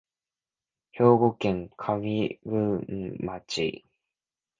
兵庫県上郡町